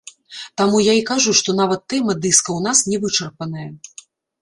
Таму я і кажу, што нават тэма дыска ў нас не вычарпаная.